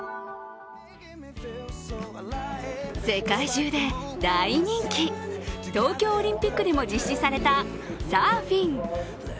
世界中で大人気、東京オリンピックでも実施されたサーフィン。